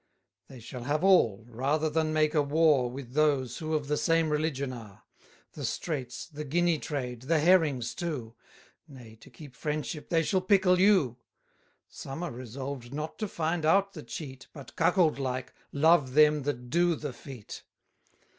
They shall have all, rather than make a war With those, who of the same religion are. The Straits, the Guinea trade, the herrings too; Nay, to keep friendship, they shall pickle you. 10 Some are resolved not to find out the cheat, But, cuckold like, love them that do the feat.